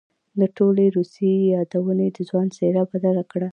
د ټولې روسيې يادونې د ځوان څېره بدله کړه.